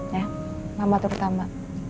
ya mama terutama